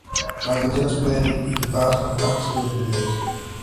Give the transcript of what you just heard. Las versiones pueden ir equipadas con packs y opciones.